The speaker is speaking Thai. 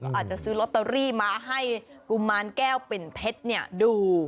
อาจจะซื้อลอตเตอรี่มาให้กุมารแก้วปิ่นเพชรดู